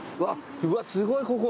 うわっすごいここ。